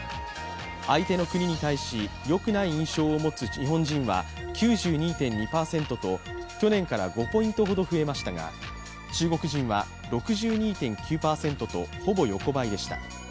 相手の国に対しよくない印象を持つ日本人は９２．２％と去年から５ポイントほど増えましたが中国人は６２．９％とほぼ横ばいでした。